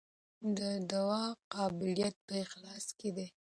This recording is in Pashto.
د دعا قبولیت په اخلاص کې دی.